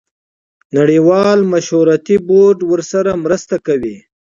نړیوال مشورتي بورډ ورسره مرسته کوي.